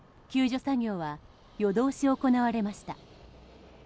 救助作業は夜通し行われました。